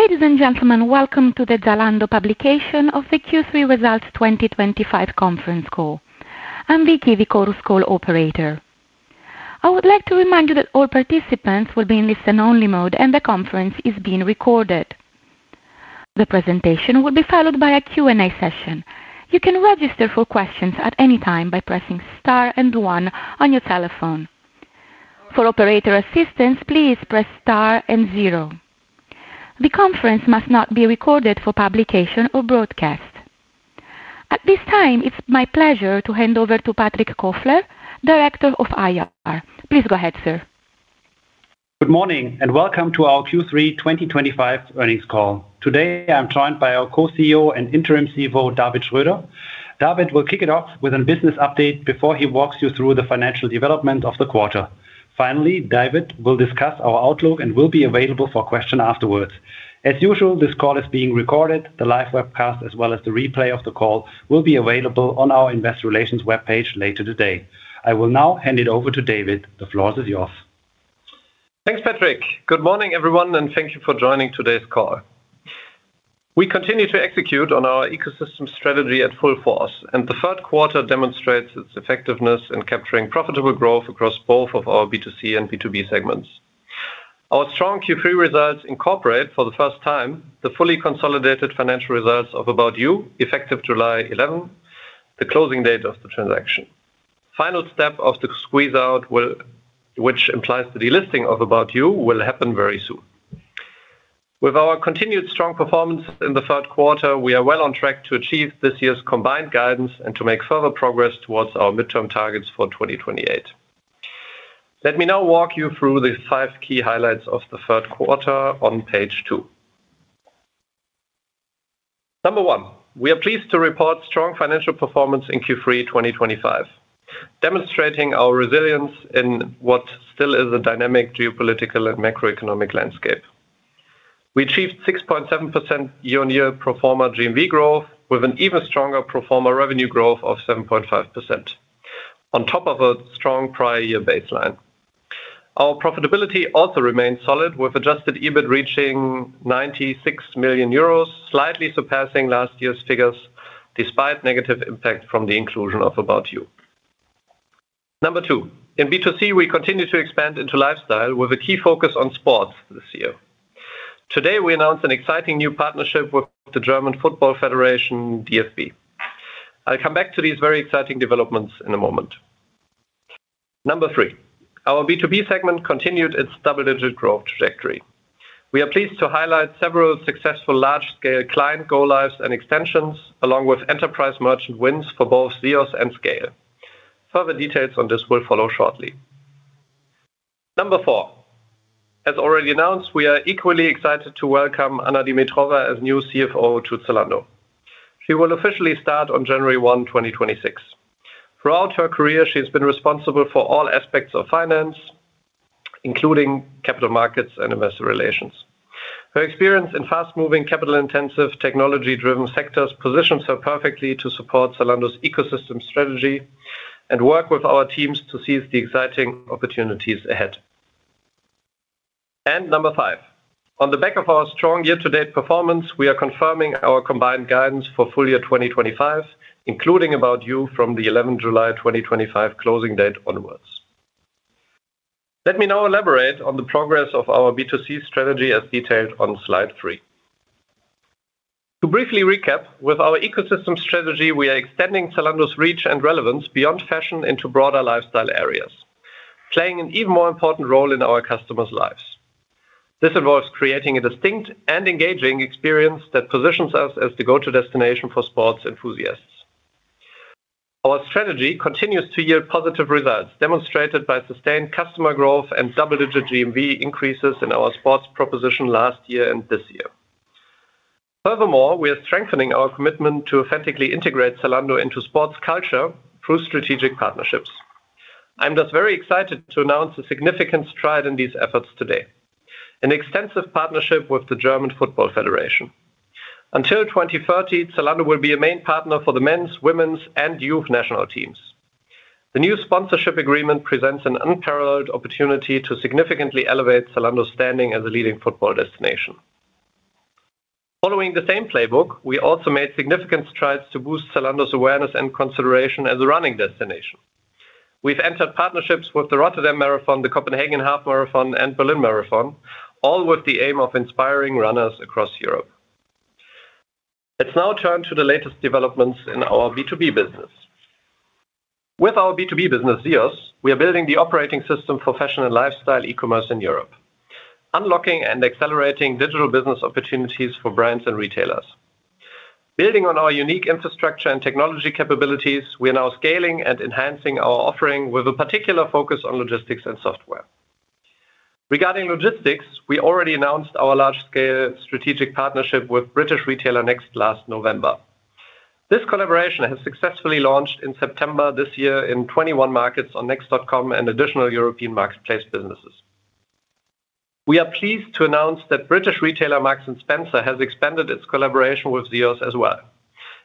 Ladies and gentlemen, welcome to the Zalando publication of the Q3 Results 2025 conference call. I'm Vicky Vicorus, the call operator. I would like to remind you that all participants will be in listen-only mode and the conference is being recorded. The presentation will be followed by a Q&A session. You can register for questions at any time by pressing star and one on your telephone. For operator assistance, please press star and zero. The conference must not be recorded for publication or broadcast. At this time, it's my pleasure to hand over to Patrick Kofler, Director of IR. Please go ahead, sir. Good morning and welcome to our Q3 2025 earnings call. Today, I'm joined by our Co-CEO and Interim CFO, David Schröder. David will kick it off with a business update before he walks you through the financial development of the quarter. Finally, David will discuss our outlook and will be available for questions afterwards. As usual, this call is being recorded. The live webcast, as well as the replay of the call, will be available on our Investor Relations webpage later today. I will now hand it over to David. The floor is yours. Thanks, Patrick. Good morning, everyone, and thank you for joining today's call. We continue to execute on our ecosystem strategy at full force, and the third quarter demonstrates its effectiveness in capturing profitable growth across both of our B2C and B2B segments. Our strong Q3 results incorporate, for the first time, the fully consolidated financial results of ABOUT YOU, effective July 11, the closing date of the transaction. The final step of the squeeze-out, which implies the delisting of ABOUT YOU, will happen very soon. With our continued strong performance in the third quarter, we are well on track to achieve this year's combined guidance and to make further progress towards our midterm targets for 2028. Let me now walk you through the five key highlights of the third quarter on page two. Number one, we are pleased to report strong financial performance in Q3 2025. Demonstrating our resilience in what still is a dynamic geopolitical and macroeconomic landscape. We achieved 6.7% year-on-year performer GMV growth, with an even stronger performer revenue growth of 7.5%, on top of a strong prior-year baseline. Our profitability also remains solid, with adjusted EBIT reaching 96 million euros, slightly surpassing last year's figures despite the negative impact from the inclusion of ABOUT YOU. Number two, in B2C, we continue to expand into lifestyle, with a key focus on sports this year. Today, we announced an exciting new partnership with the German Football Federation, DFB. I'll come back to these very exciting developments in a moment. Number three, our B2B segment continued its double-digit growth trajectory. We are pleased to highlight several successful large-scale client go-lives and extensions, along with enterprise merchant wins for both ZEOS and SCAYLE. Further details on this will follow shortly. Number four. As already announced, we are equally excited to welcome Anna Dimitrova as new CFO to Zalando. She will officially start on January 1, 2026. Throughout her career, she has been responsible for all aspects of finance, including capital markets and investor relations. Her experience in fast-moving, capital-intensive, technology-driven sectors positions her perfectly to support Zalando's ecosystem strategy and work with our teams to seize the exciting opportunities ahead. Number five, on the back of our strong year-to-date performance, we are confirming our combined guidance for full year 2025, including ABOUT YOU from the 11th July 2025 closing date onwards. Let me now elaborate on the progress of our B2C strategy, as detailed on slide three. To briefly recap, with our ecosystem strategy, we are extending Zalando's reach and relevance beyond fashion into broader lifestyle areas, playing an even more important role in our customers' lives. This involves creating a distinct and engaging experience that positions us as the go-to destination for sports enthusiasts. Our strategy continues to yield positive results, demonstrated by sustained customer growth and double-digit GMV increases in our sports proposition last year and this year. Furthermore, we are strengthening our commitment to authentically integrate Zalando into sports culture through strategic partnerships. I'm thus very excited to announce the significance tied in these efforts today: an extensive partnership with the German Football Federation. Until 2030, Zalando will be a main partner for the men's, women's, and youth national teams. The new sponsorship agreement presents an unparalleled opportunity to significantly elevate Zalando's standing as a leading football destination. Following the same playbook, we also made significant strides to boost Zalando's awareness and consideration as a running destination. We've entered partnerships with the Rotterdam Marathon, the Copenhagen Half Marathon, and Berlin Marathon, all with the aim of inspiring runners across Europe. Let's now turn to the latest developments in our B2B business. With our B2B business, ZEOS, we are building the operating system for fashion and lifestyle e-commerce in Europe, unlocking and accelerating digital business opportunities for brands and retailers. Building on our unique infrastructure and technology capabilities, we are now scaling and enhancing our offering with a particular focus on logistics and software. Regarding logistics, we already announced our large-scale strategic partnership with British retailer Next last November. This collaboration has successfully launched in September this year in 21 markets on next.com and additional European marketplace businesses. We are pleased to announce that British retailer Marks & Spencer has expanded its collaboration with ZEOS as well.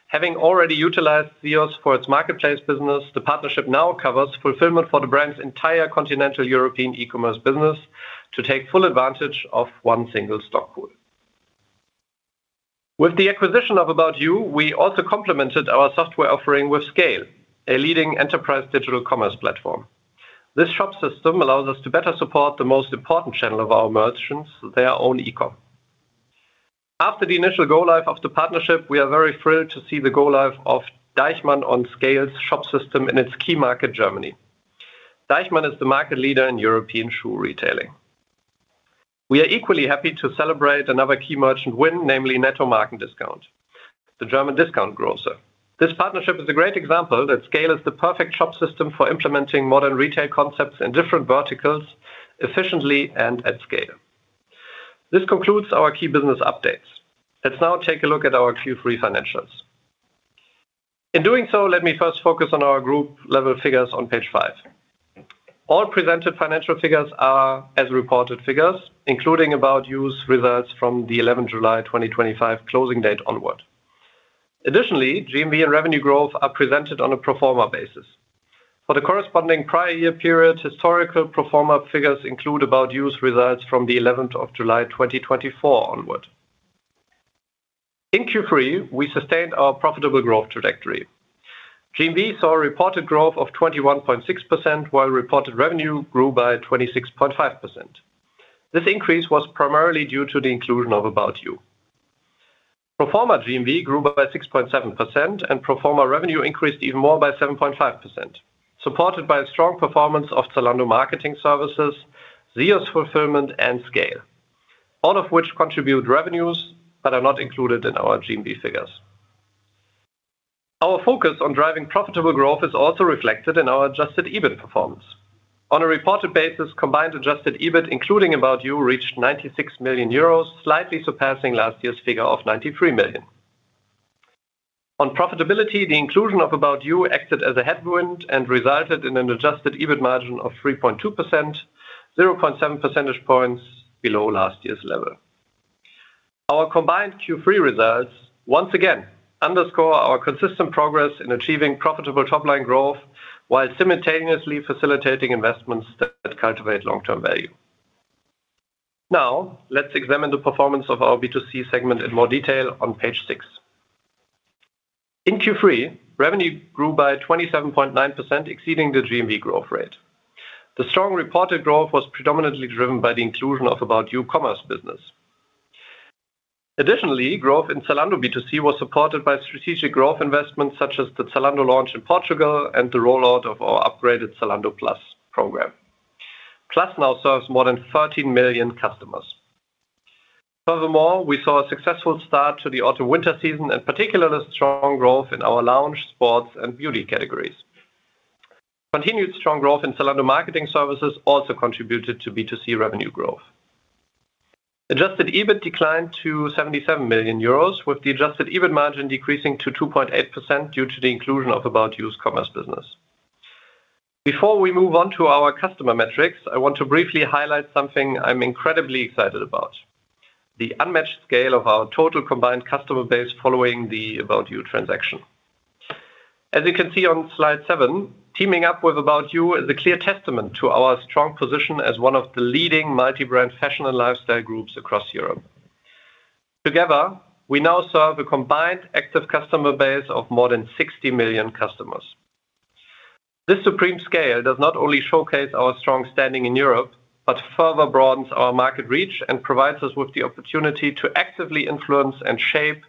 Having already utilized ZEOS for its marketplace business, the partnership now covers fulfillment for the brand's entire continental European e-commerce business to take full advantage of one single stock pool. With the acquisition of ABOUT YOU, we also complemented our software offering with SCAYLE, a leading enterprise digital commerce platform. This shop system allows us to better support the most important channel of our merchants, their own e-com. After the initial go-live of the partnership, we are very thrilled to see the go-live of Deichmann on SCAYLE's shop system in its key market, Germany. Deichmann is the market leader in European shoe retailing. We are equally happy to celebrate another key merchant win, namely Netto Marken-Discount, the German discount grocer. This partnership is a great example that SCAYLE is the perfect shop system for implementing modern retail concepts in different verticals efficiently and at scale. This concludes our key business updates. Let's now take a look at our Q3 financials. In doing so, let me first focus on our group-level figures on page five. All presented financial figures are as reported figures, including ABOUT YOU's results from the 11 July 2025 closing date onward. Additionally, GMV and revenue growth are presented on a performer basis. For the corresponding prior-year period, historical performer figures include ABOUT YOU's results from the 11 July 2024 onward. In Q3, we sustained our profitable growth trajectory. GMV saw a reported growth of 21.6%, while reported revenue grew by 26.5%. This increase was primarily due to the inclusion of ABOUT YOU. Performer GMV grew by 6.7%, and performer revenue increased even more by 7.5%, supported by strong performance of Zalando marketing services, ZEOS fulfillment, and SCAYLE, all of which contribute revenues that are not included in our GMV figures. Our focus on driving profitable growth is also reflected in our adjusted EBIT performance. On a reported basis, combined adjusted EBIT, including ABOUT YOU, reached 96 million euros, slightly surpassing last year's figure of 93 million. On profitability, the inclusion of ABOUT YOU acted as a headwind and resulted in an adjusted EBIT margin of 3.2%, 0.7 percentage points below last year's level. Our combined Q3 results, once again, underscore our consistent progress in achieving profitable top-line growth while simultaneously facilitating investments that cultivate long-term value. Now, let's examine the performance of our B2C segment in more detail on page six. In Q3, revenue grew by 27.9%, exceeding the GMV growth rate. The strong reported growth was predominantly driven by the inclusion of ABOUT YOU commerce business. Additionally, growth in Zalando B2C was supported by strategic growth investments such as the Zalando launch in Portugal and the rollout of our upgraded Zalando Plus program. Plus now serves more than 13 million customers. Furthermore, we saw a successful start to the autumn/winter season and particularly strong growth in our lounge, sports, and beauty categories. Continued strong growth in Zalando marketing services also contributed to B2C revenue growth. Adjusted EBIT declined to 77 million euros, with the adjusted EBIT margin decreasing to 2.8% due to the inclusion of ABOUT YOU's commerce business. Before we move on to our customer metrics, I want to briefly highlight something I'm incredibly excited about. The unmatched scale of our total combined customer base following the ABOUT YOU transaction. As you can see on slide seven, teaming up with ABOUT YOU is a clear testament to our strong position as one of the leading multi-brand fashion and lifestyle groups across Europe. Together, we now serve a combined active customer base of more than 60 million customers. This supreme scale does not only showcase our strong standing in Europe, but further broadens our market reach and provides us with the opportunity to actively influence and shape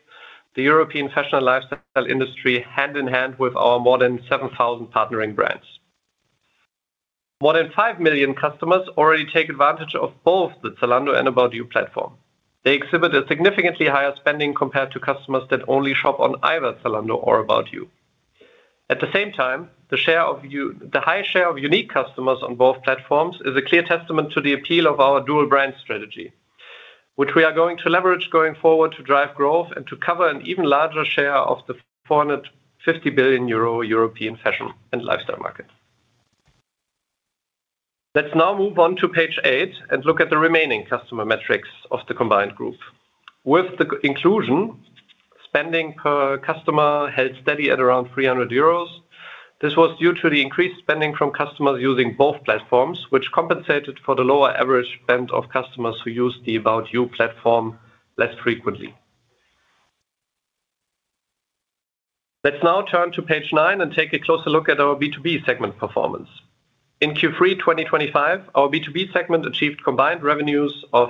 the European fashion and lifestyle industry hand in hand with our more than 7,000 partnering brands. More than 5 million customers already take advantage of both the Zalando and ABOUT YOU platform. They exhibit a significantly higher spending compared to customers that only shop on either Zalando or ABOUT YOU. At the same time, the high share of unique customers on both platforms is a clear testament to the appeal of our dual-brand strategy, which we are going to leverage going forward to drive growth and to cover an even larger share of the 450 billion euro European fashion and lifestyle market. Let's now move on to page eight and look at the remaining customer metrics of the combined group. With the inclusion, spending per customer held steady at around 300 euros. This was due to the increased spending from customers using both platforms, which compensated for the lower average spend of customers who used the ABOUT YOU platform less frequently. Let's now turn to page nine and take a closer look at our B2B segment performance. In Q3 2025, our B2B segment achieved combined revenues of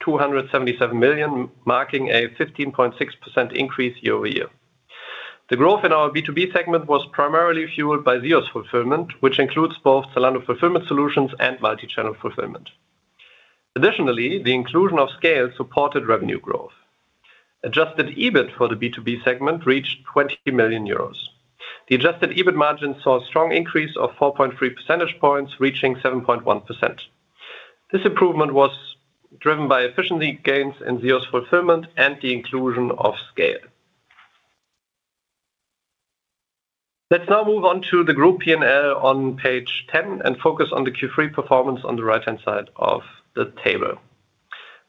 277 million, marking a 15.6% increase year-over-year. The growth in our B2B segment was primarily fueled by ZEOS fulfillment, which includes both Zalando fulfillment solutions and multi-channel fulfillment. Additionally, the inclusion of SCAYLE supported revenue growth. Adjusted EBIT for the B2B segment reached 20 million euros. The adjusted EBIT margin saw a strong increase of 4.3 percentage points, reaching 7.1%. This improvement was driven by efficiency gains in ZEOS fulfillment and the inclusion of SCAYLE. Let's now move on to the group P&L on page 10 and focus on the Q3 performance on the right-hand side of the table.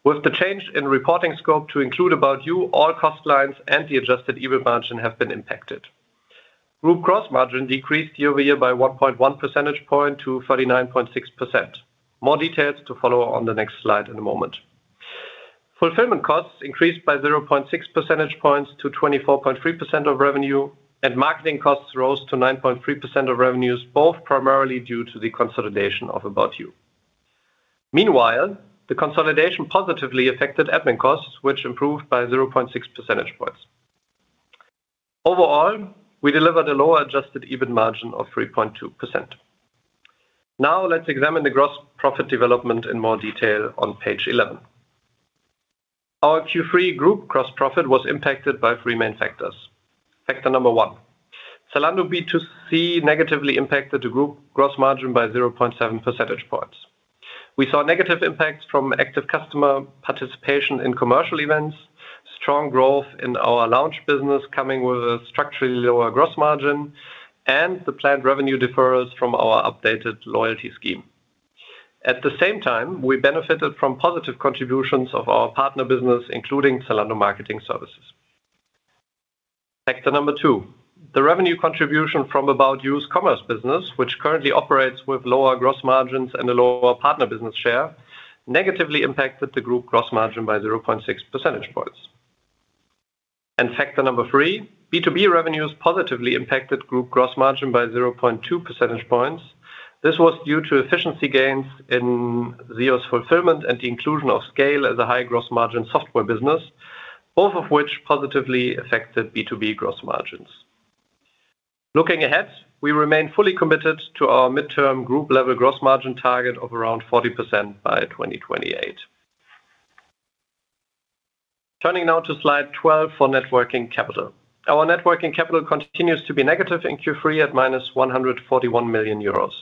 With the change in reporting scope to include ABOUT YOU, all cost lines and the adjusted EBIT margin have been impacted. Group gross margin decreased year-over-year by 1.1 percentage points to 39.6%. More details to follow on the next slide in a moment. Fulfillment costs increased by 0.6 percentage points to 24.3% of revenue, and marketing costs rose to 9.3% of revenues, both primarily due to the consolidation of ABOUT YOU. Meanwhile, the consolidation positively affected admin costs, which improved by 0.6 percentage points. Overall, we delivered a lower adjusted EBIT margin of 3.2%. Now, let's examine the gross profit development in more detail on page 11. Our Q3 group gross profit was impacted by three main factors. Factor number one: Zalando B2C negatively impacted the group gross margin by 0.7 percentage points. We saw negative impacts from active customer participation in commercial events, strong growth in our lounge business coming with a structurally lower gross margin, and the planned revenue deferrals from our updated loyalty scheme. At the same time, we benefited from positive contributions of our partner business, including Zalando marketing services. Factor number two: the revenue contribution from ABOUT YOU's commerce business, which currently operates with lower gross margins and a lower partner business share, negatively impacted the group gross margin by 0.6 percentage points. Factor number three: B2B revenues positively impacted group gross margin by 0.2 percentage points. This was due to efficiency gains in ZEOS fulfillment and the inclusion of SCAYLE as a high-gross margin software business, both of which positively affected B2B gross margins. Looking ahead, we remain fully committed to our midterm group-level gross margin target of around 40% by 2028. Turning now to slide 12 for net working capital. Our net working capital continues to be negative in Q3 at 141 million euros.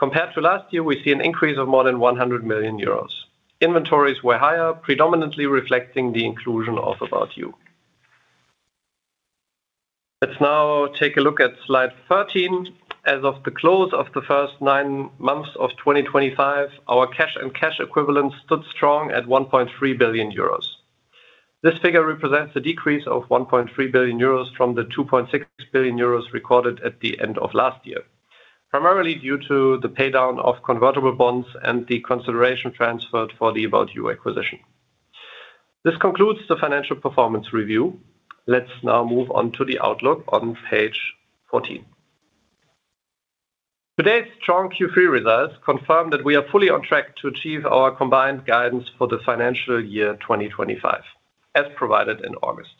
Compared to last year, we see an increase of more than 100 million euros. Inventories were higher, predominantly reflecting the inclusion of ABOUT YOU. Let's now take a look at slide 13. As of the close of the first nine months of 2025, our cash and cash equivalents stood strong at 1.3 billion euros. This figure represents a decrease of 1.3 billion euros from the 2.6 billion euros recorded at the end of last year, primarily due to the paydown of convertible bonds and the consideration transferred for the ABOUT YOU acquisition. This concludes the financial performance review. Let's now move on to the outlook on page 14. Today's strong Q3 results confirm that we are fully on track to achieve our combined guidance for the financial year 2025, as provided in August.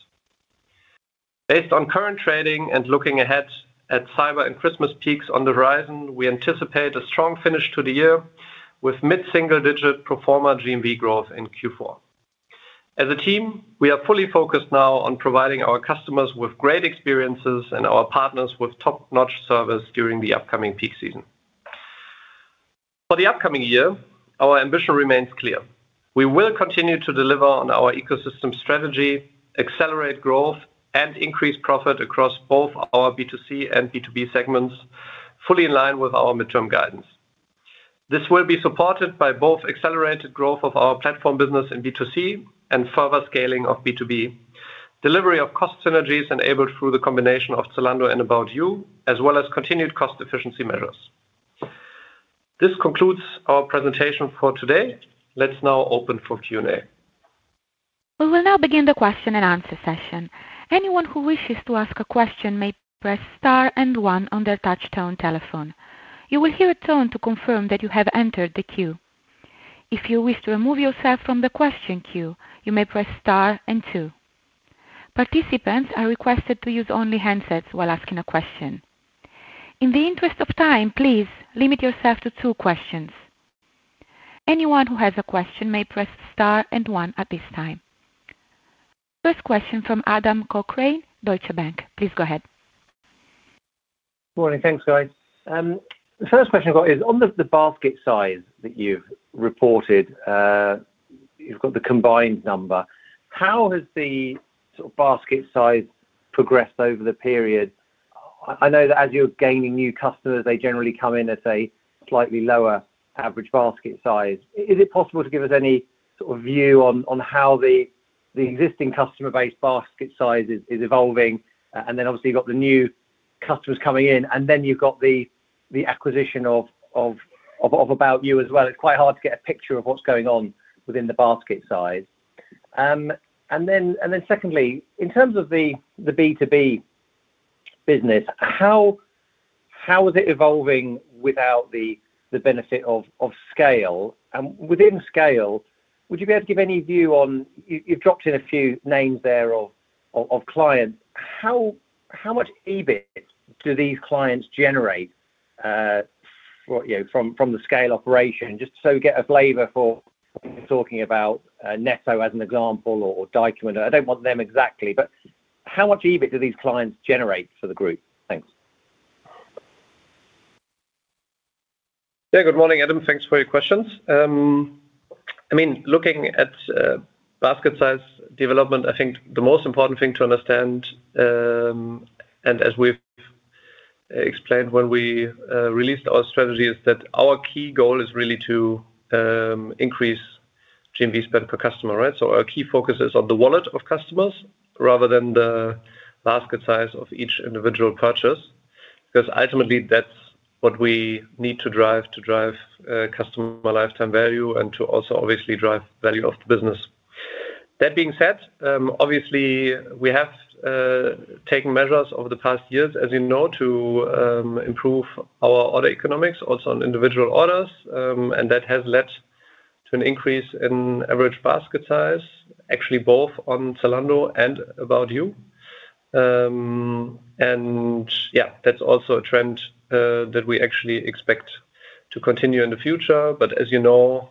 Based on current trading and looking ahead at cyber and Christmas peaks on the horizon, we anticipate a strong finish to the year with mid-single-digit performer GMV growth in Q4. As a team, we are fully focused now on providing our customers with great experiences and our partners with top-notch service during the upcoming peak season. For the upcoming year, our ambition remains clear. We will continue to deliver on our ecosystem strategy, accelerate growth, and increase profit across both our B2C and B2B segments, fully in line with our midterm guidance. This will be supported by both accelerated growth of our platform business in B2C and further scaling of B2B, delivery of cost synergies enabled through the combination of Zalando and ABOUT YOU, as well as continued cost efficiency measures. This concludes our presentation for today. Let's now open for Q&A. We will now begin the question-and-answer session. Anyone who wishes to ask a question may press star and one on their touch-tone telephone. You will hear a tone to confirm that you have entered the queue. If you wish to remove yourself from the question queue, you may press star and two. Participants are requested to use only handsets while asking a question. In the interest of time, please limit yourself to two questions. Anyone who has a question may press star and one at this time. First question from Adam Cochrane, Deutsche Bank. Please go ahead. Good morning. Thanks, guys. The first question I have is, on the basket size that you have reported. You have the combined number. How has the basket size progressed over the period? I know that as you are gaining new customers, they generally come in at a slightly lower average basket size. Is it possible to give us any sort of view on how the existing customer base basket size is evolving? Obviously, you have the new customers coming in, and then you have the acquisition of ABOUT YOU as well. It's quite hard to get a picture of what's going on within the basket size. Then secondly, in terms of the B2B business, how is it evolving without the benefit of SCAYLE? Within SCAYLE, would you be able to give any view on—you've dropped in a few names there of clients—how much EBIT do these clients generate from the SCAYLE operation? Just so we get a flavor for when we're talking about Netto as an example or Deichmann. I don't want them exactly, but how much EBIT do these clients generate for the group? Thanks. Yeah. Good morning, Adam. Thanks for your questions. I mean, looking at basket size development, I think the most important thing to understand, as we've explained when we released our strategy, is that our key goal is really to increase GMV spend per customer, right? Our key focus is on the wallet of customers rather than the basket size of each individual purchase, because ultimately, that's what we need to drive to drive customer lifetime value and to also, obviously, drive value of the business. That being said, obviously, we have taken measures over the past years, as you know, to improve our order economics, also on individual orders, and that has led to an increase in average basket size, actually both on Zalando and ABOUT YOU. Yeah, that's also a trend that we actually expect to continue in the future. As you know,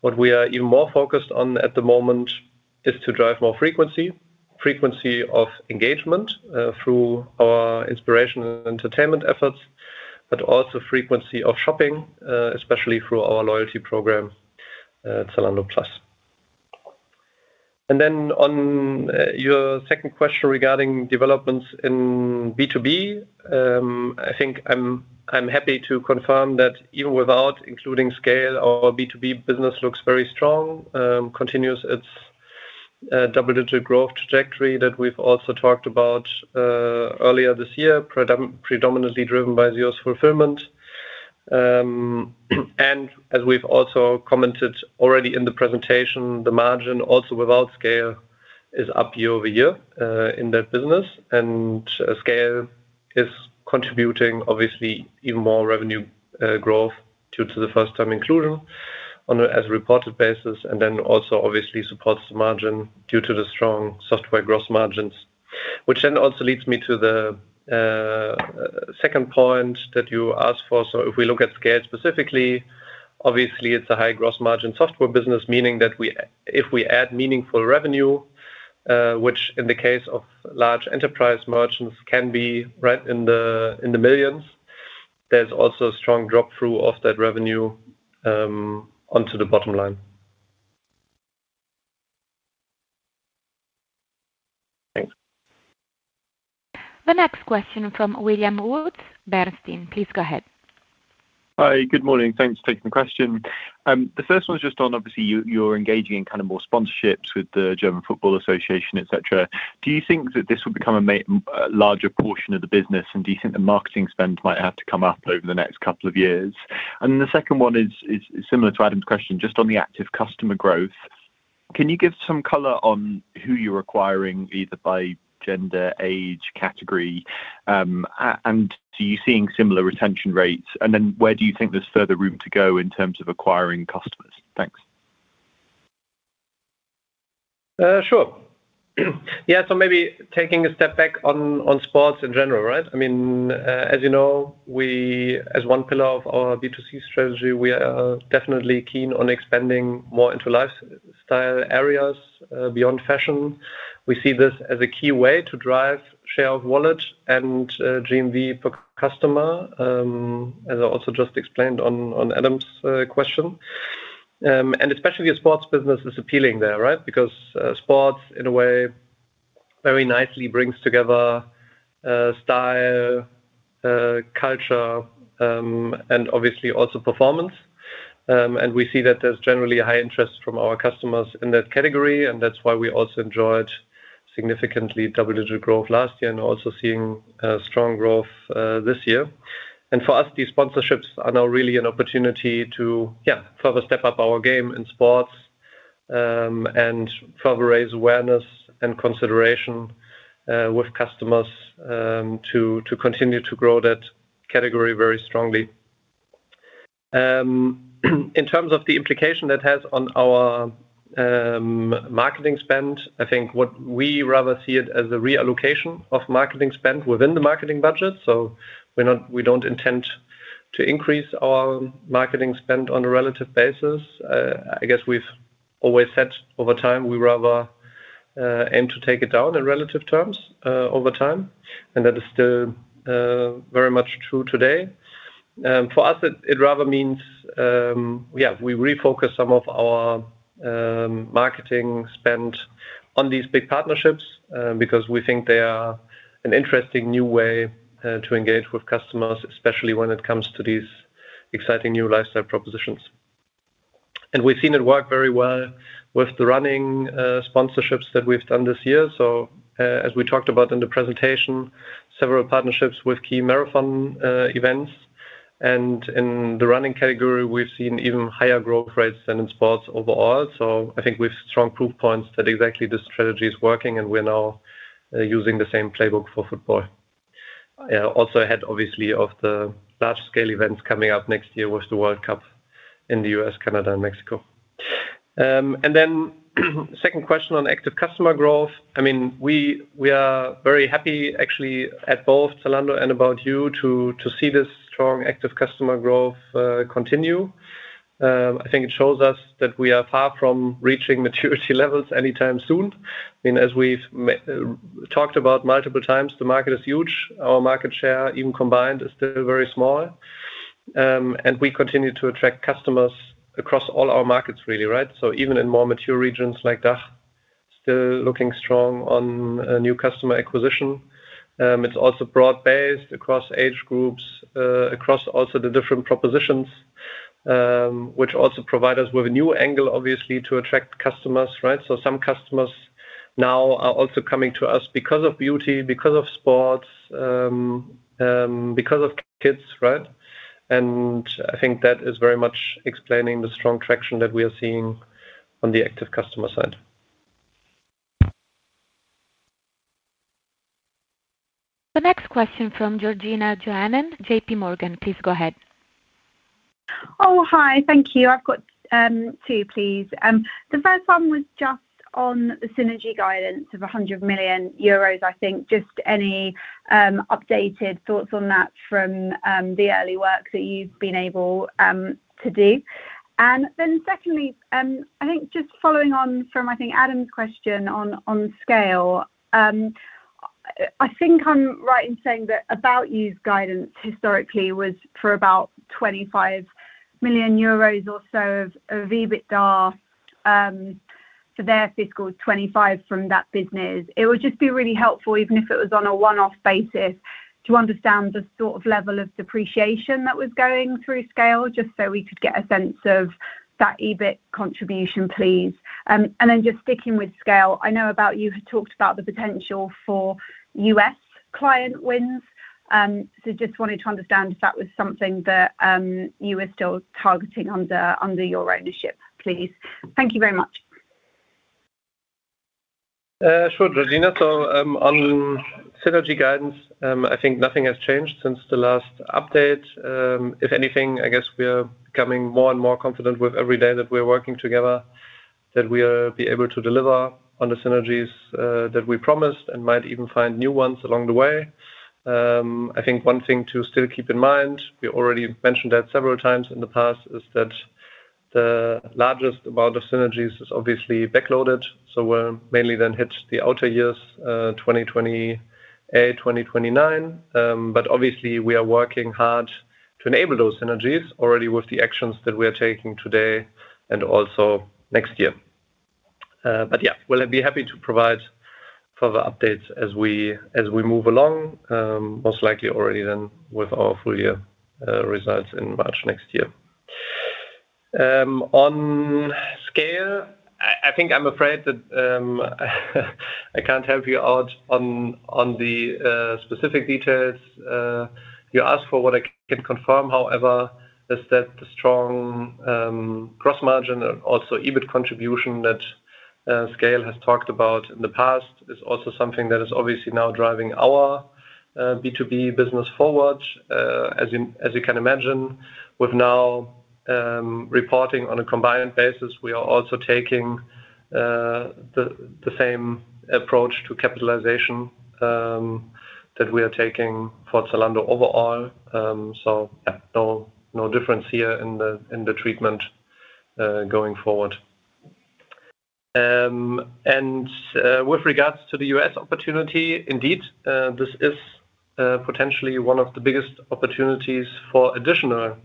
what we are even more focused on at the moment is to drive more frequency of engagement through our inspirational entertainment efforts, but also frequency of shopping, especially through our loyalty program, Zalando Plus. On your second question regarding developments in B2B. I think I'm happy to confirm that even without including SCAYLE, our B2B business looks very strong, continues its double-digit growth trajectory that we've also talked about earlier this year, predominantly driven by ZEOS fulfillment. As we've also commented already in the presentation, the margin also without SCAYLE is up year-over-year in that business, and SCAYLE is contributing, obviously, even more revenue growth due to the first-time inclusion on an as-reported basis, and then also, obviously, supports the margin due to the strong software gross margins, which then also leads me to the second point that you asked for. If we look at SCAYLE specifically, obviously, it's a high-gross-margin software business, meaning that if we add meaningful revenue, which in the case of large enterprise merchants can be right in the millions, there's also a strong drop-through of that revenue onto the bottom line. Thanks. The next question from William Woods, Bernstein. Please go ahead. Hi. Good morning. Thanks for taking the question. The first one's just on, obviously, you're engaging in kind of more sponsorships with the German Football Association, etc. Do you think that this will become a larger portion of the business, and do you think the marketing spend might have to come up over the next couple of years? The second one is similar to Adam's question, just on the active customer growth. Can you give some color on who you're acquiring, either by gender, age, category, and are you seeing similar retention rates? Where do you think there's further room to go in terms of acquiring customers? Thanks. Sure. Yeah. Maybe taking a step back on sports in general, right? I mean, as you know. As one pillar of our B2C strategy, we are definitely keen on expanding more into lifestyle areas beyond fashion. We see this as a key way to drive share of wallet and GMV per customer, as I also just explained on Adam's question. Especially the sports business is appealing there, right? Because sports, in a way, very nicely brings together style, culture, and obviously also performance. We see that there is generally a high interest from our customers in that category, and that is why we also enjoyed significantly double-digit growth last year and also seeing strong growth this year. For us, these sponsorships are now really an opportunity to, yeah, further step up our game in sports and further raise awareness and consideration with customers to continue to grow that category very strongly. In terms of the implication that has on our marketing spend, I think we rather see it as a reallocation of marketing spend within the marketing budget. We do not intend to increase our marketing spend on a relative basis. I guess we have always said over time we rather aim to take it down in relative terms over time, and that is still very much true today. For us, it rather means we refocus some of our marketing spend on these big partnerships because we think they are an interesting new way to engage with customers, especially when it comes to these exciting new lifestyle propositions. We have seen it work very well with the running sponsorships that we have done this year. As we talked about in the presentation, several partnerships with key marathon events. In the running category, we have seen even higher growth rates than in sports overall. I think we have strong proof points that exactly this strategy is working, and we are now using the same playbook for football. Yeah. Also ahead, obviously, of the large-scale events coming up next year with the World Cup in the U.S., Canada, and Mexico. The second question on active customer growth. I mean, we are very happy, actually, at both Zalando and ABOUT YOU to see this strong active customer growth continue. I think it shows us that we are far from reaching maturity levels anytime soon. I mean, as we have talked about multiple times, the market is huge. Our market share, even combined, is still very small. We continue to attract customers across all our markets, really, right? Even in more mature regions like DACH, still looking strong on new customer acquisition. It is also broad-based across age groups, across also the different propositions. Which also provide us with a new angle, obviously, to attract customers, right? Some customers now are also coming to us because of beauty, because of sports, because of kids, right? I think that is very much explaining the strong traction that we are seeing on the active customer side. The next question from Georgina Johanan, JPMorgan. Please go ahead. Oh, hi. Thank you. I've got two, please. The first one was just on the synergy guidance of 100 million euros, I think. Just any updated thoughts on that from the early work that you've been able to do. Secondly, I think just following on from, I think, Adam's question on SCAYLE. I think I'm right in saying that ABOUT YOU's guidance historically was for about 25 million euros or so of EBITDA for their Fiscal 2025 from that business. It would just be really helpful, even if it was on a one-off basis, to understand the sort of level of depreciation that was going through SCAYLE, just so we could get a sense of that EBIT contribution, please. Then just sticking with SCAYLE, I know ABOUT YOU had talked about the potential for U.S. client wins. Just wanted to understand if that was something that you were still targeting under your ownership, please. Thank you very much. Sure, Georgina. On synergy guidance, I think nothing has changed since the last update. If anything, I guess we are becoming more and more confident with every day that we are working together, that we will be able to deliver on the synergies that we promised and might even find new ones along the way. I think one thing to still keep in mind, we already mentioned that several times in the past, is that the largest amount of synergies is obviously backloaded. We'll mainly then hit the outer years, 2028, 2029. Obviously, we are working hard to enable those synergies already with the actions that we are taking today and also next year. Yeah, we'll be happy to provide further updates as we move along, most likely already then with our full-year results in March next year. On SCAYLE, I think I'm afraid that I can't help you out on the specific details you asked for. What I can confirm, however, is that the strong gross margin and also EBIT contribution that SCAYLE has talked about in the past is also something that is obviously now driving our B2B business forward. As you can imagine, with now. Reporting on a combined basis, we are also taking the same approach to capitalization that we are taking for Zalando overall. Yeah, no difference here in the treatment going forward. With regards to the U.S. opportunity, indeed, this is potentially one of the biggest opportunities for additional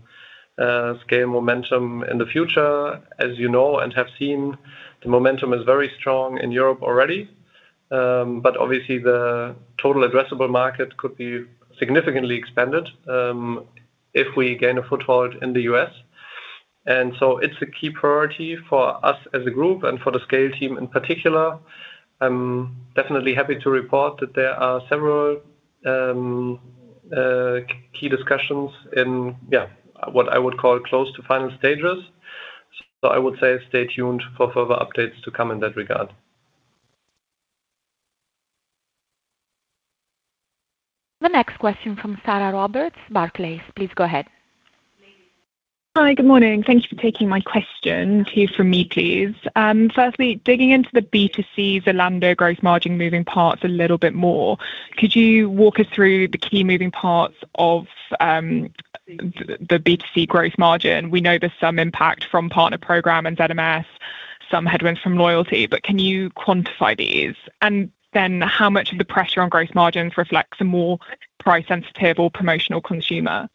SCAYLE momentum in the future. As you know and have seen, the momentum is very strong in Europe already. Obviously, the total addressable market could be significantly expanded if we gain a foothold in the U.S. It is a key priority for us as a group and for the SCAYLE team in particular. I'm definitely happy to report that there are several key discussions in, yeah, what I would call close to final stages. I would say stay tuned for further updates to come in that regard. The next question from Sarah Roberts, Barclays. Please go ahead. Hi. Good morning. Thank you for taking my question. Two from me, please. Firstly, digging into the B2C Zalando gross margin moving parts a little bit more, could you walk us through the key moving parts of the B2C gross margin? We know there's some impact from partner program and ZMS, some headwinds from loyalty, but can you quantify these? How much of the pressure on gross margins reflects a more price-sensitive or promotional consumer?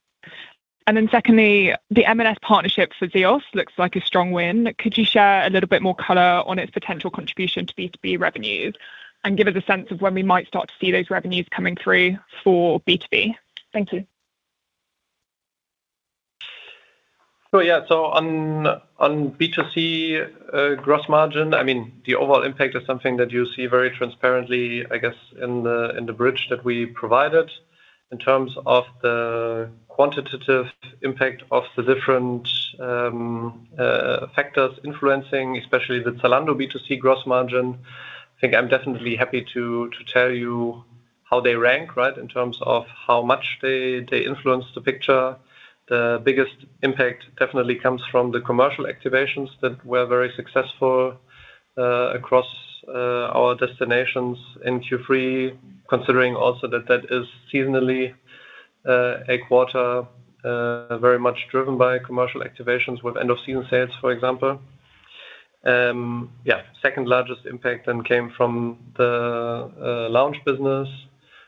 Secondly, the M&S partnership for ZEOS looks like a strong win. Could you share a little bit more color on its potential contribution to B2B revenues and give us a sense of when we might start to see those revenues coming through for B2B? Thank you. Sure. Yeah. On B2C. Gross margin, I mean, the overall impact is something that you see very transparently, I guess, in the bridge that we provided in terms of the quantitative impact of the different factors influencing, especially the Zalando B2C gross margin. I think I'm definitely happy to tell you how they rank, right, in terms of how much they influence the picture. The biggest impact definitely comes from the commercial activations that were very successful across our destinations in Q3, considering also that that is seasonally a quarter very much driven by commercial activations with end-of-season sales, for example. Yeah. Second largest impact then came from the Lounge business,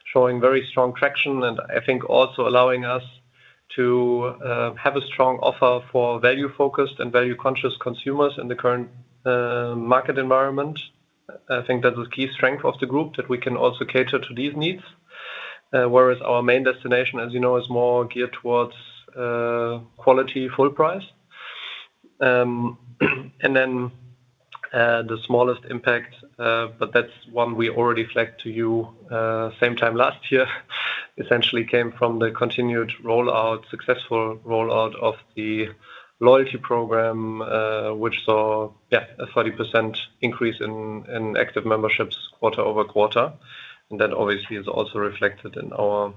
showing very strong traction and I think also allowing us to have a strong offer for value-focused and value-conscious consumers in the current market environment. I think that's a key strength of the group that we can also cater to these needs. Whereas our main destination, as you know, is more geared towards quality full price. The smallest impact, but that is one we already flagged to you same time last year, essentially came from the continued successful rollout of the loyalty program, which saw, yeah, a 30% increase in active memberships quarter over quarter. That obviously is also reflected in our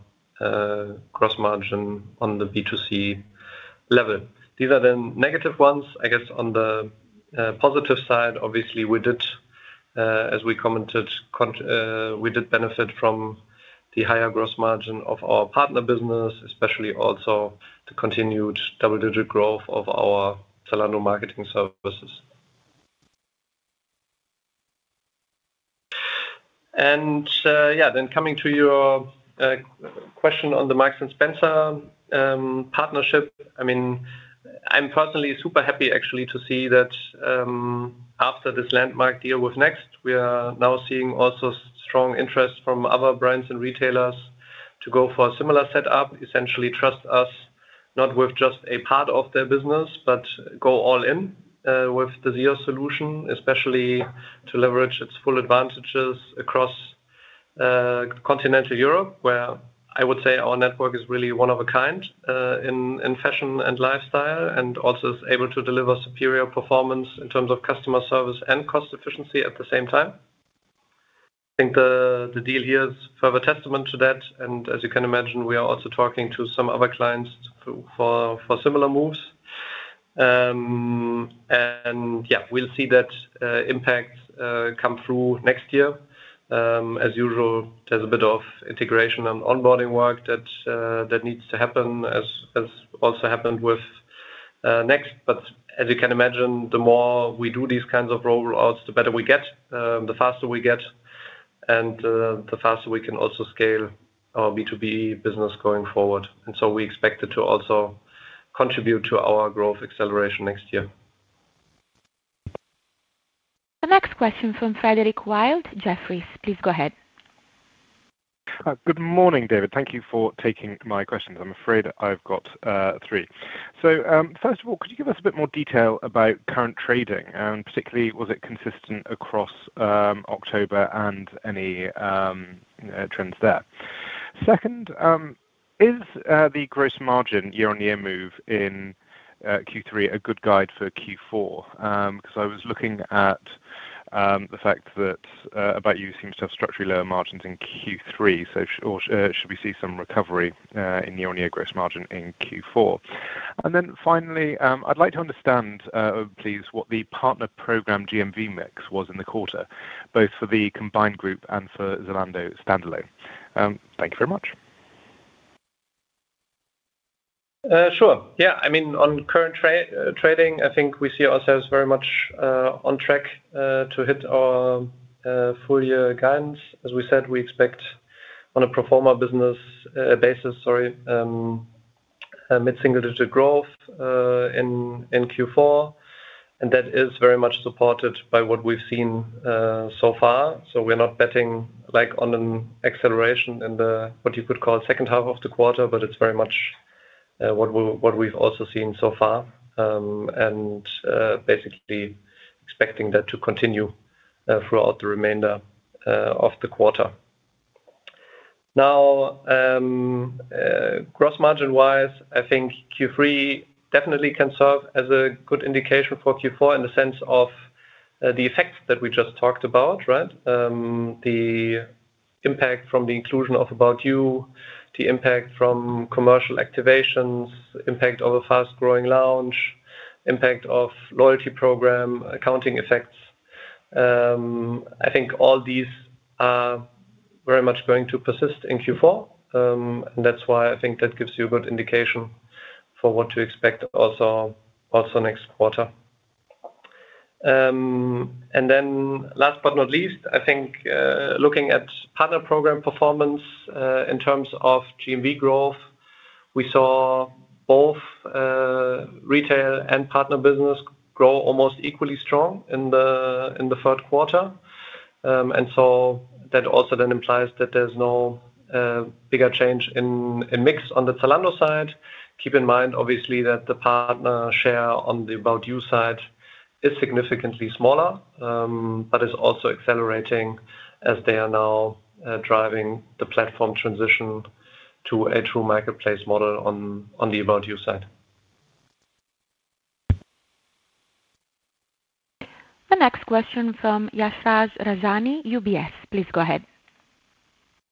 gross margin on the B2C level. These are the negative ones. I guess on the positive side, obviously, we did, as we commented, benefit from the higher gross margin of our partner business, especially also the continued double-digit growth of our Zalando marketing services. Yeah, then coming to your question on the Marks & Spencer partnership, I mean, I am personally super happy actually to see that. After this landmark deal with Next, we are now seeing also strong interest from other brands and retailers to go for a similar setup, essentially trust us not with just a part of their business, but go all in with the ZEOS solution, especially to leverage its full advantages across continental Europe, where I would say our network is really one of a kind in fashion and lifestyle and also is able to deliver superior performance in terms of customer service and cost efficiency at the same time. I think the deal here is further testament to that. As you can imagine, we are also talking to some other clients for similar moves. Yeah, we'll see that impact come through next year. As usual, there's a bit of integration and onboarding work that needs to happen, as also happened with Next. As you can imagine, the more we do these kinds of rollouts, the better we get, the faster we get, and the faster we can also scale our B2B business going forward. We expect it to also contribute to our growth acceleration next year. The next question from Frederick Wild, Jefferies. Please go ahead. Good morning, David. Thank you for taking my questions. I'm afraid I've got three. First of all, could you give us a bit more detail about current trading, and particularly, was it consistent across October and any trends there? Second, is the gross margin year-on-year move in Q3 a good guide for Q4? Because I was looking at the fact that ABOUT YOU seems to have structurally lower margins in Q3, so should we see some recovery in year-on-year gross margin in Q4? And then finally, I'd like to understand. Please, what the partner program GMV mix was in the quarter, both for the combined group and for Zalando standalone. Thank you very much. Sure. Yeah. I mean, on current trading, I think we see ourselves very much on track to hit our full-year guidance. As we said, we expect on a performer business basis, sorry, mid-single-digit growth in Q4. That is very much supported by what we've seen so far. We are not betting on an acceleration in what you could call second half of the quarter, but it is very much what we've also seen so far, and basically expecting that to continue throughout the remainder of the quarter. Now, gross margin-wise, I think Q3 definitely can serve as a good indication for Q4 in the sense of the effects that we just talked about, right? The impact from the inclusion of ABOUT YOU, the impact from commercial activations, impact of a fast-growing lounge, impact of loyalty program, accounting effects. I think all these are very much going to persist in Q4. I think that gives you a good indication for what to expect also next quarter. Last but not least, I think looking at partner program performance in terms of GMV growth, we saw both retail and partner business grow almost equally strong in the third quarter. That also then implies that there's no bigger change in mix on the Zalando side. Keep in mind, obviously, that the partner share on the ABOUT YOU side is significantly smaller, but is also accelerating as they are now driving the platform transition to a true marketplace model on the ABOUT YOU side. The next question from Yashraj Rajani, UBS. Please go ahead.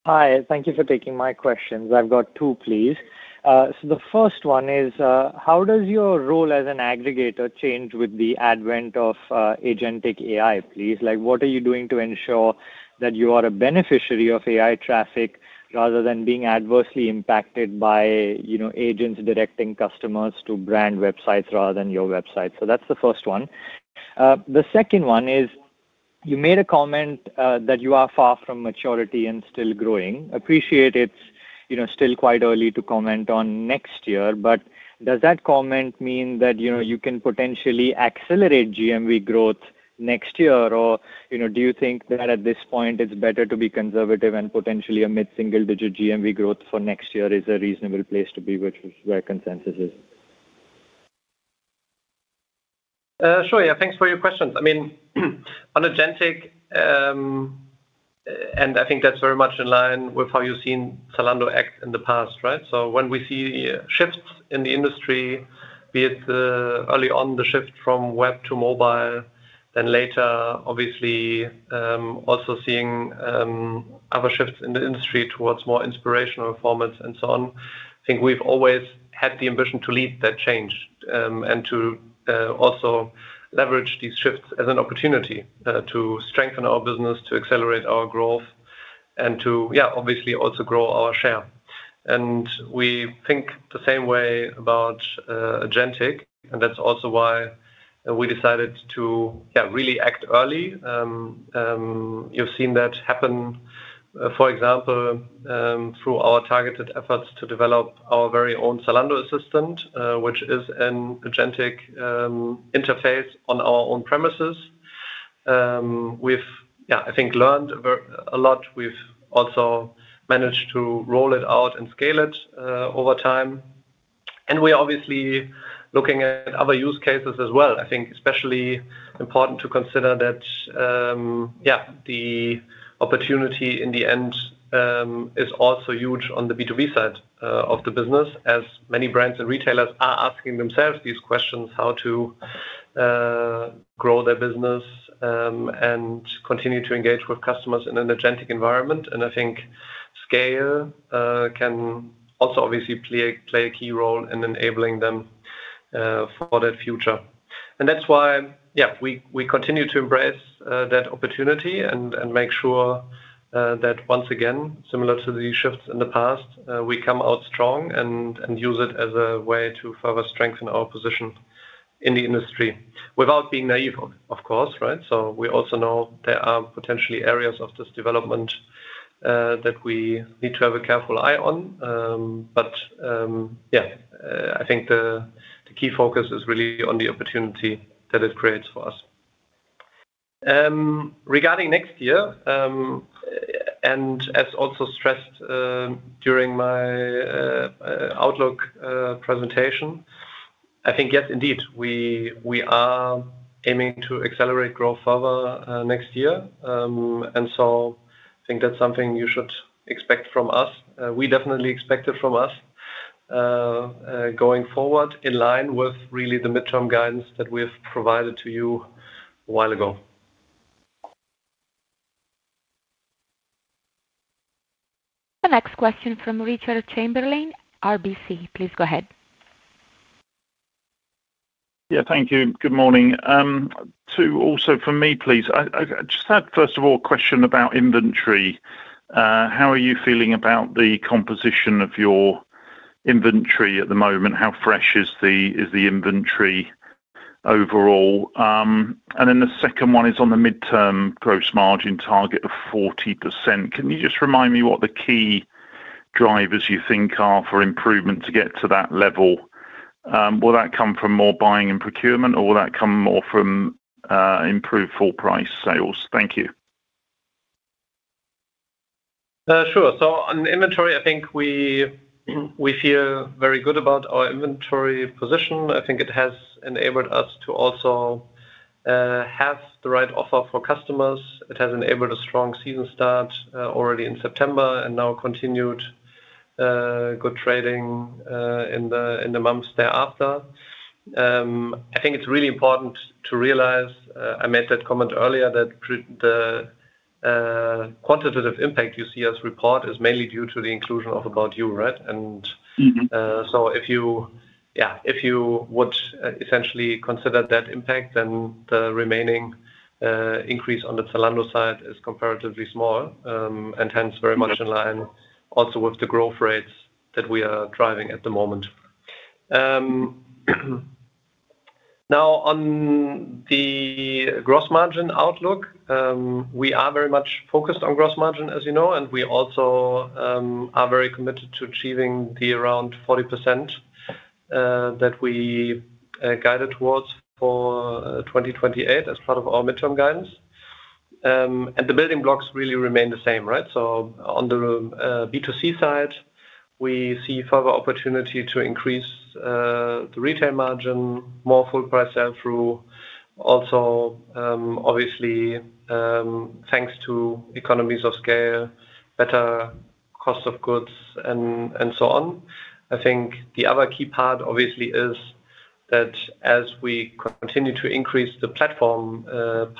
Hi. Thank you for taking my questions. I've got two, please. The first one is, how does your role as an aggregator change with the advent of agentic AI, please? What are you doing to ensure that you are a beneficiary of AI traffic rather than being adversely impacted by agents directing customers to brand websites rather than your website? That is the first one. The second one is you made a comment that you are far from maturity and still growing. Appreciate it's still quite early to comment on next year, but does that comment mean that you can potentially accelerate GMV growth next year, or do you think that at this point it's better to be conservative and potentially a mid-single-digit GMV growth for next year is a reasonable place to be, which is where consensus is? Sure. Yeah. Thanks for your questions. I mean, on agentic. I think that's very much in line with how you've seen Zalando act in the past, right? When we see shifts in the industry, be it early on the shift from web to mobile, then later, obviously, also seeing other shifts in the industry towards more inspirational formats and so on, I think we've always had the ambition to lead that change and to also leverage these shifts as an opportunity to strengthen our business, to accelerate our growth, and to, yeah, obviously also grow our share. We think the same way about agentic, and that's also why we decided to, yeah, really act early. You've seen that happen, for example, through our targeted efforts to develop our very own Zalando Assistant, which is an agentic interface on our own premises. We've, yeah, I think, learned a lot. We've also managed to roll it out and scale it over time. We're obviously looking at other use cases as well. I think especially important to consider that, yeah, the opportunity in the end is also huge on the B2B side of the business, as many brands and retailers are asking themselves these questions: how to grow their business and continue to engage with customers in an agentic environment. I think scale can also obviously play a key role in enabling them for that future. That's why, yeah, we continue to embrace that opportunity and make sure that once again, similar to the shifts in the past, we come out strong and use it as a way to further strengthen our position in the industry without being naive, of course, right? We also know there are potentially areas of this development. That we need to have a careful eye on. Yeah, I think the key focus is really on the opportunity that it creates for us. Regarding next year. As also stressed during my outlook presentation, I think, yes, indeed, we are aiming to accelerate growth further next year. I think that's something you should expect from us. We definitely expect it from us. Going forward in line with really the midterm guidance that we've provided to you a while ago. The next question from Richard Chamberlain, RBC. Please go ahead. Yeah. Thank you. Good morning. To also for me, please. I just had, first of all, a question about inventory. How are you feeling about the composition of your inventory at the moment? How fresh is the inventory overall? The second one is on the midterm gross margin target of 40%. Can you just remind me what the key drivers you think are for improvement to get to that level? Will that come from more buying and procurement, or will that come more from improved full price sales? Thank you. Sure. On inventory, I think we feel very good about our inventory position. I think it has enabled us to also have the right offer for customers. It has enabled a strong season start already in September and now continued good trading in the months thereafter. I think it is really important to realize I made that comment earlier that the quantitative impact you see us report is mainly due to the inclusion of ABOUT YOU, right? If you would essentially consider that impact, then the remaining. Increase on the Zalando side is comparatively small and hence very much in line also with the growth rates that we are driving at the moment. Now, on the gross margin outlook, we are very much focused on gross margin, as you know, and we also are very committed to achieving the around 40% that we guided towards for 2028 as part of our midterm guidance. The building blocks really remain the same, right? On the B2C side, we see further opportunity to increase the retail margin, more full price sale through. Also, obviously, thanks to economies of scale, better cost of goods, and so on. I think the other key part, obviously, is that as we continue to increase the platform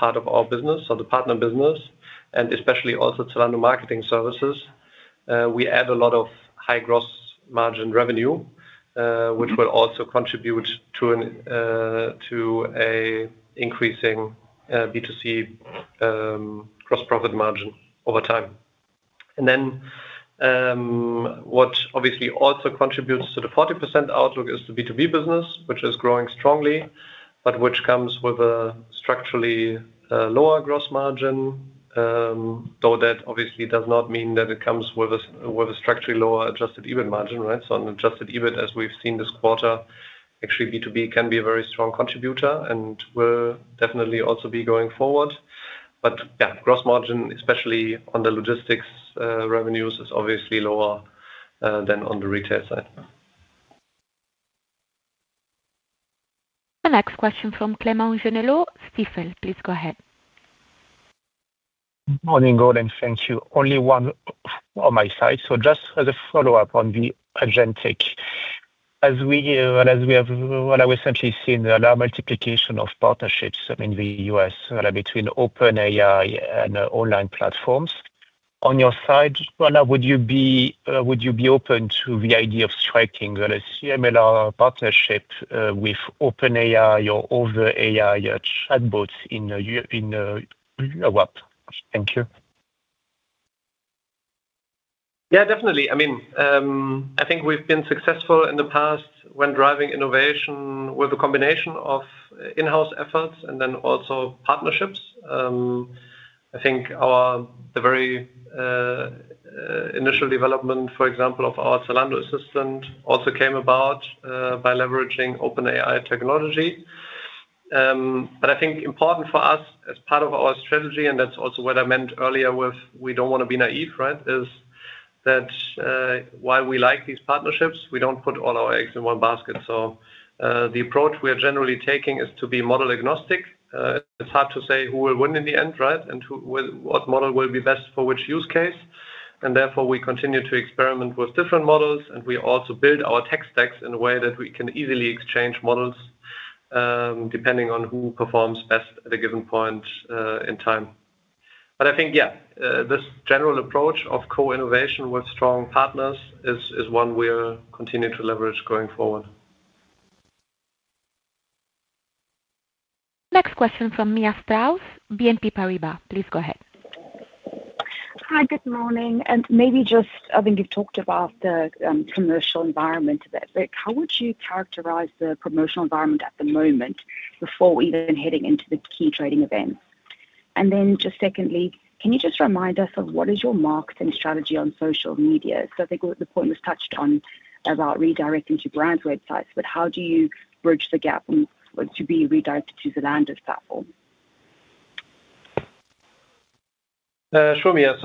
part of our business, so the partner business, and especially also Zalando marketing services, we add a lot of high gross margin revenue, which will also contribute to an increasing B2C gross profit margin over time. What obviously also contributes to the 40% outlook is the B2B business, which is growing strongly, but which comes with a structurally lower gross margin. Though that obviously does not mean that it comes with a structurally lower adjusted EBIT margin, right? An adjusted EBIT, as we've seen this quarter, actually B2B can be a very strong contributor and will definitely also be going forward. Gross margin, especially on the logistics revenues, is obviously lower than on the retail side. The next question from Clément Genelot, Stifel, please go ahead. Good morning, and thank you. Only one on my side. Just as a follow-up on the agentic. As we have recently seen the large multiplication of partnerships in the U.S. between OpenAI and online platforms, on your side, would you be open to the idea of striking a [CMA] partnership with OpenAI or other AI chatbots in Europe? Thank you. Yeah, definitely. I mean, I think we've been successful in the past when driving innovation with a combination of in-house efforts and then also partnerships. I think the very initial development, for example, of our Zalando Assistant also came about by leveraging OpenAI technology. I think important for us as part of our strategy, and that's also what I meant earlier with we don't want to be naive, right, is that while we like these partnerships, we don't put all our eggs in one basket. The approach we are generally taking is to be model-agnostic. It's hard to say who will win in the end, right, and what model will be best for which use case. Therefore, we continue to experiment with different models, and we also build our tech stacks in a way that we can easily exchange models, depending on who performs best at a given point in time. I think, yeah, this general approach of co-innovation with strong partners is one we'll continue to leverage going forward. Next question from Mia Strauss, BNP Paribas. Please go ahead. Hi, good morning. Maybe just, I think you've talked about the commercial environment a bit, but how would you characterize the promotional environment at the moment before even heading into the key trading events? And then just secondly, can you just remind us of what is your marketing strategy on social media? I think the point was touched on about redirecting to brand websites, but how do you bridge the gap to be redirected to Zalando's platform? Sure, Mia.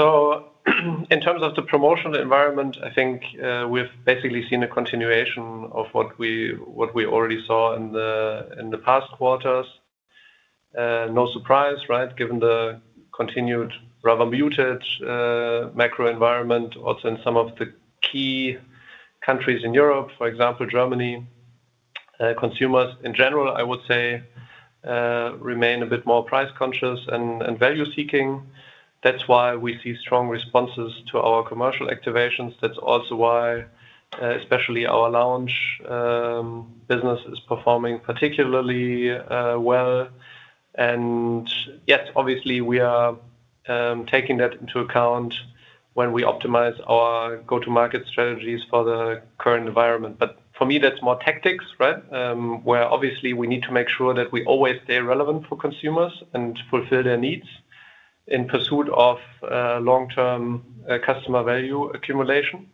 In terms of the promotional environment, I think we've basically seen a continuation of what we already saw in the past quarters. No surprise, right, given the continued rather muted macro environment, also in some of the key countries in Europe, for example, Germany. Consumers in general, I would say, remain a bit more price-conscious and value-seeking. That's why we see strong responses to our commercial activations. That's also why especially our lounge business is performing particularly well. Yes, obviously, we are taking that into account when we optimize our go-to-market strategies for the current environment. For me, that's more tactics, right, where obviously we need to make sure that we always stay relevant for consumers and fulfill their needs in pursuit of long-term customer value accumulation.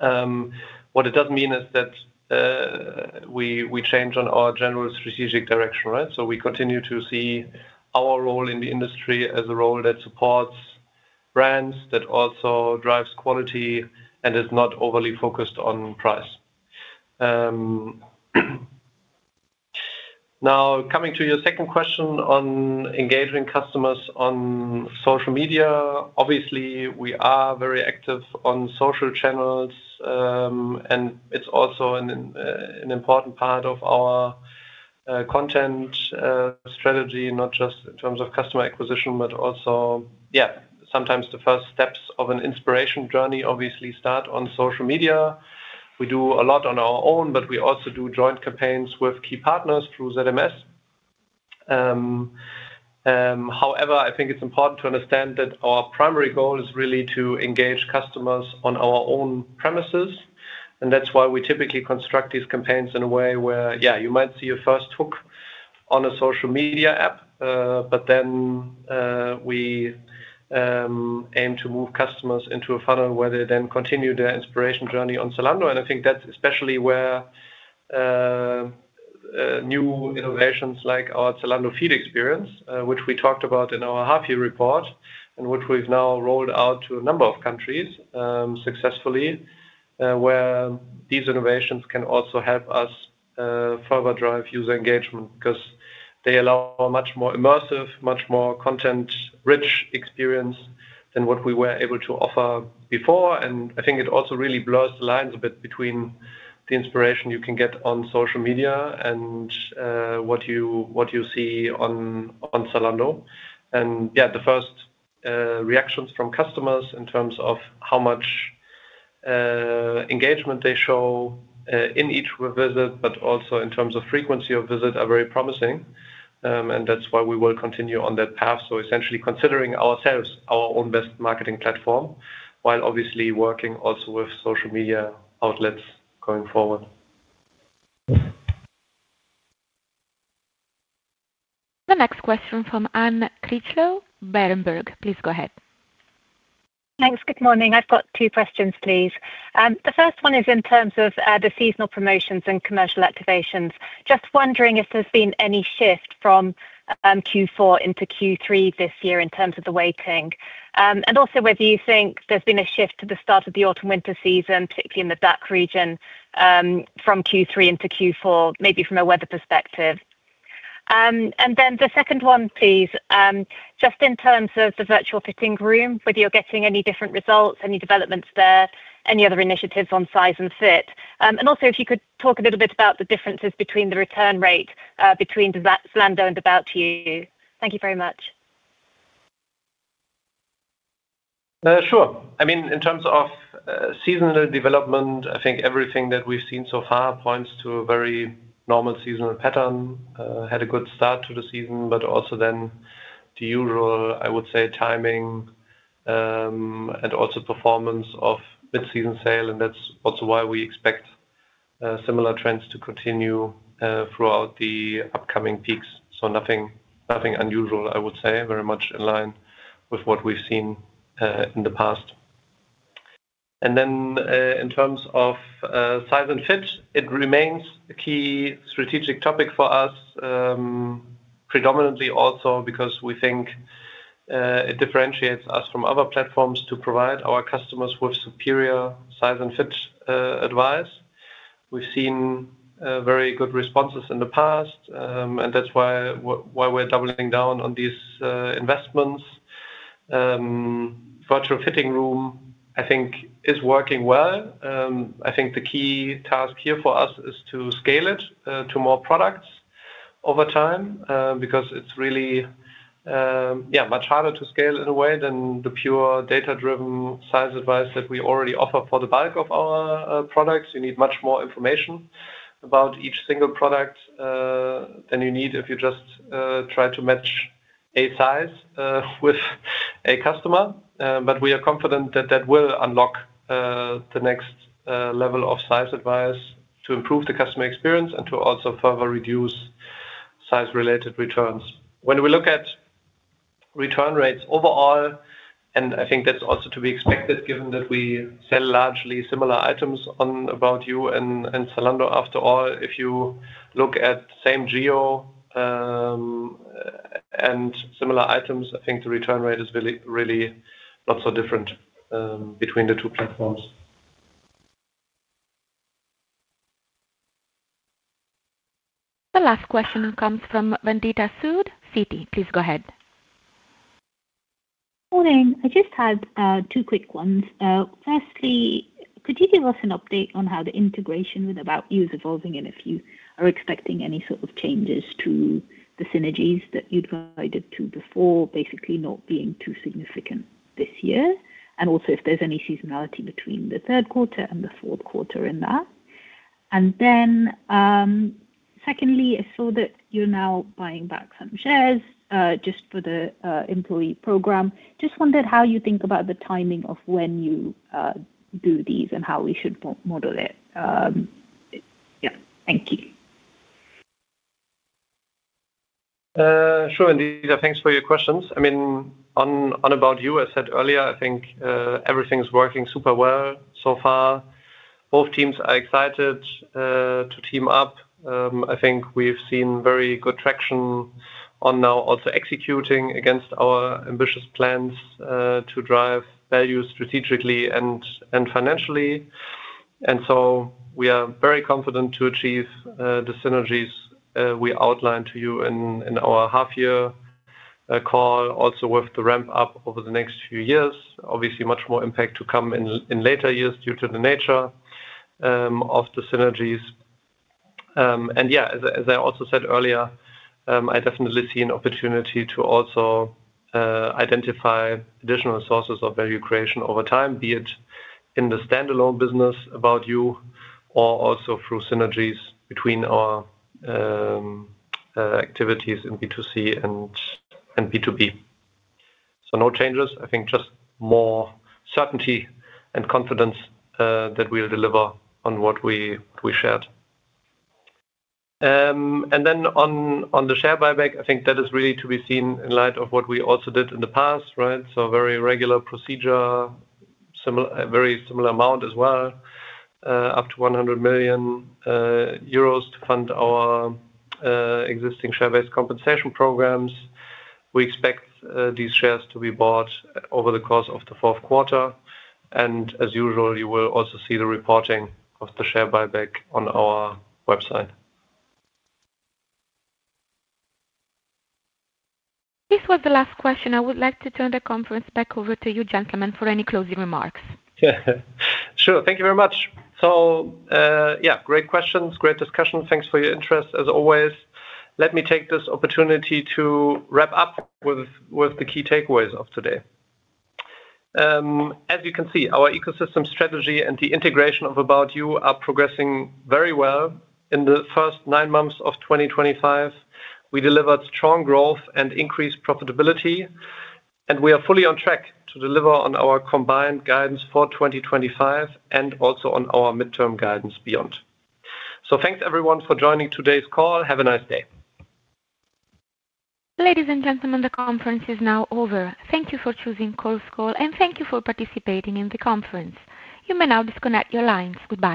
What it does mean is that we change on our general strategic direction, right? We continue to see our role in the industry as a role that supports brands, that also drives quality, and is not overly focused on price. Now, coming to your second question on engaging customers on social media, obviously, we are very active on social channels. It's also an important part of our content strategy, not just in terms of customer acquisition, but also, yeah, sometimes the first steps of an inspiration journey obviously start on social media. We do a lot on our own, but we also do joint campaigns with key partners through ZMS. However, I think it's important to understand that our primary goal is really to engage customers on our own premises. That's why we typically construct these campaigns in a way where, yeah, you might see a first hook on a social media app, but then we aim to move customers into a funnel where they then continue their inspiration journey on Zalando. I think that's especially where new innovations like our Zalando Feed experience, which we talked about in our half-year report and which we've now rolled out to a number of countries successfully, where these innovations can also help us further drive user engagement because they allow a much more immersive, much more content-rich experience than what we were able to offer before. I think it also really blurs the lines a bit between the inspiration you can get on social media and what you see on Zalando. Yeah, the first reactions from customers in terms of how much engagement they show in each visit, but also in terms of frequency of visit, are very promising. That is why we will continue on that path. Essentially considering ourselves our own best marketing platform while obviously working also with social media outlets going forward. The next question from Anne Critchlow, Berenberg. Please go ahead. Thanks. Good morning. I've got two questions, please. The first one is in terms of the seasonal promotions and commercial activations. Just wondering if there's been any shift from Q4 into Q3 this year in terms of the weighting, and also whether you think there's been a shift to the start of the autumn-winter season, particularly in the DACH region, from Q3 into Q4, maybe from a weather perspective. And then the second one, please, just in terms of the virtual fitting room, whether you're getting any different results, any developments there, any other initiatives on size and fit. Also, if you could talk a little bit about the differences between the return rate between Zalando and ABOUT YOU. Thank you very much. Sure. I mean, in terms of seasonal development, I think everything that we've seen so far points to a very normal seasonal pattern, had a good start to the season, but also then the usual, I would say, timing and also performance of mid-season sale. That is also why we expect similar trends to continue throughout the upcoming peaks. Nothing unusual, I would say, very much in line with what we've seen in the past. In terms of size and fit, it remains a key strategic topic for us. Predominantly also because we think it differentiates us from other platforms to provide our customers with superior size and fit advice. We've seen very good responses in the past, and that's why we're doubling down on these investments. Virtual fitting room, I think, is working well. I think the key task here for us is to scale it to more products over time because it's really, yeah, much harder to scale in a way than the pure data-driven size advice that we already offer for the bulk of our products. You need much more information about each single product than you need if you just try to match a size with a customer. We are confident that that will unlock the next level of size advice to improve the customer experience and to also further reduce size-related returns. When we look at return rates overall, and I think that's also to be expected given that we sell largely similar items on ABOUT YOU and Zalando after all, if you look at same geo. And similar items, I think the return rate is really not so different between the two platforms. The last question comes from Vandita Sood, Citi. Please go ahead. Morning. I just had two quick ones. Firstly, could you give us an update on how the integration with ABOUT YOU is evolving and if you are expecting any sort of changes to the synergies that you provided to before, basically not being too significant this year, and also if there's any seasonality between the third quarter and the fourth quarter in that? And then. Secondly, I saw that you're now buying back some shares just for the employee program. Just wondered how you think about the timing of when you do these and how we should model it. Yeah. Thank you. Sure, Vandita. Thanks for your questions. I mean, on ABOUT YOU, as I said earlier, I think everything's working super well so far. Both teams are excited to team up. I think we've seen very good traction on now also executing against our ambitious plans to drive value strategically and financially. We are very confident to achieve the synergies we outlined to you in our half-year call, also with the ramp-up over the next few years. Obviously, much more impact to come in later years due to the nature of the synergies. Yeah, as I also said earlier, I definitely see an opportunity to also identify additional sources of value creation over time, be it in the standalone business, ABOUT YOU, or also through synergies between our activities in B2C and B2B. No changes. I think just more certainty and confidence that we will deliver on what we shared. On the share buyback, I think that is really to be seen in light of what we also did in the past, right? Very regular procedure. Very similar amount as well. Up to 100 million euros to fund our existing share-based compensation programs. We expect these shares to be bought over the course of the fourth quarter. As usual, you will also see the reporting of the share buyback on our website. This was the last question. I would like to turn the conference back over to you, gentlemen, for any closing remarks. Sure. Thank you very much. Great questions, great discussion. Thanks for your interest, as always. Let me take this opportunity to wrap up with the key takeaways of today. As you can see, our ecosystem strategy and the integration of ABOUT YOU are progressing very well. In the first nine months of 2025, we delivered strong growth and increased profitability, and we are fully on track to deliver on our combined guidance for 2025 and also on our midterm guidance beyond. Thanks, everyone, for joining today's call. Have a nice day. Ladies and gentlemen, the conference is now over. Thank you for choosing [Coalscore], and thank you for participating in the conference. You may now disconnect your lines. Goodbye.